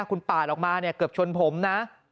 คุณปาดออกมาเกือบชนผมนะ